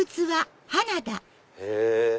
へぇ。